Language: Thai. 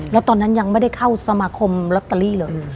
แล้วตอนนั้นยังไม่ได้เข้าสมาคมลอตเตอรี่เลย